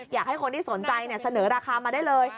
อยากให้คนที่สนใจเสนอราคามาได้เลย